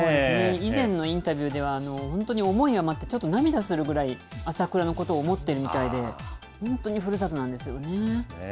以前のインタビューでは、本当に思い余って、ちょっと涙するぐらい、朝倉のことを思ってるみたいで、本当にふるさとなんですよね。